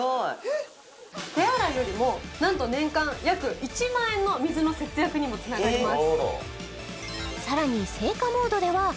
手洗いよりもなんと年間約１万円の水の節約にもつながります